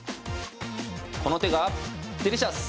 「この手がデリシャス！」。